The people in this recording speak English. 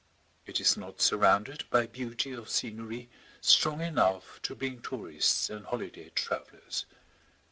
It is not surrounded by beauty of scenery strong enough to bring tourists and holiday travellers.